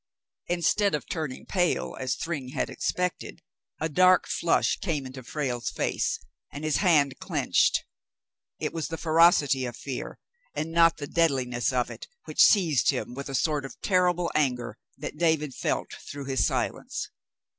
Instead of turning pale as Thryng had expected, a dark flush came into Frale's face, and his hand clinched. It was the ferocity of fear, and not the deadliness of it, which seized him with a sort of terrible anger, that David felt through his silence.